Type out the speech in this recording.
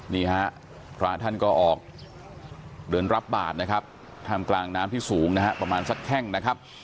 นี่ฮะพระท่านก็ออกเดินรับบาทนะครับท่ามกลางน้ำที่สูงนะฮะประมาณสักแข้งนะครับ